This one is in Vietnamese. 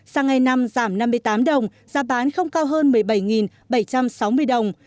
sang ngày năm giảm năm mươi tám đồng giá bán không cao hơn một mươi bảy bảy trăm sáu mươi đồng